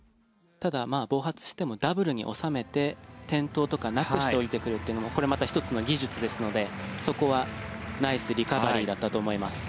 ただ、暴発してもダブルに収めて転倒とかなくして降りてくるというのもこれまた１つの技術ですのでそこはナイスリカバリーだったと思います。